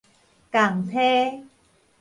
仝梯